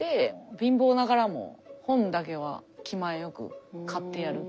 貧乏ながらも本だけは気前よく買ってやるっていうのを。